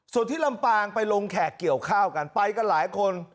ส่วนที่ลำปางไปลงแขกเกี่ยวข้าวกันไปกันหลายคน